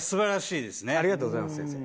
ありがとうございます先生。